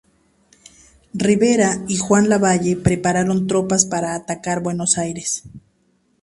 Rivera y Juan Lavalle prepararon tropas para atacar Buenos Aires.